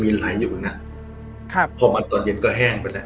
มีไหลอยู่อยู่นั่นครับพอมาตอนเย็นก็แห้งไปแล้ว